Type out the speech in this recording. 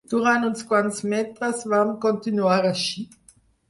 Durant uns quants metres vam continuar així